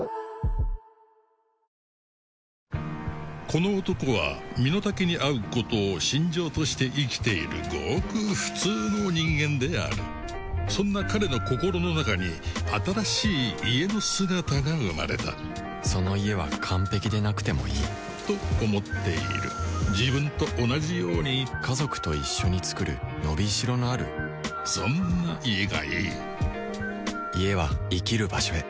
この男は身の丈に合うことを信条として生きているごく普通の人間であるそんな彼の心の中に新しい「家」の姿が生まれたその「家」は完璧でなくてもいいと思っている自分と同じように家族と一緒に作る伸び代のあるそんな「家」がいい家は生きる場所へ